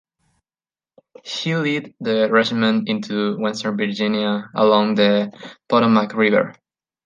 He led the regiment into Western Virginia, along the Potomac River.